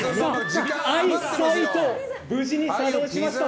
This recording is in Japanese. アイサイト、無事に作動しました。